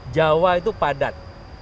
jawa itu padat